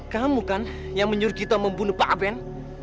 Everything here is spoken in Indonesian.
kamu kan yang menyuruh kita membunuh pak aben